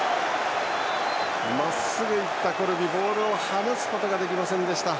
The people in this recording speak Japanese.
まっすぐに行ったコルビボールを放すことができませんでした。